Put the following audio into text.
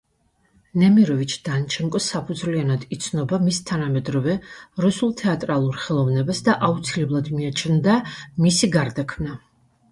ნემიროვიჩ-დანჩენკო საფუძვლიანად იცნობა მის თანამედროვე რუსულ თეატრალურ ხელოვნებას და აუცილებლად მიაჩნდა მისი გარდაქმნა.